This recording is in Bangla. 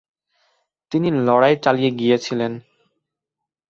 তিনি লড়াই চালিয়ে গিয়েছিলেন।